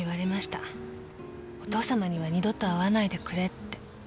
お父さまには二度と会わないでくれって。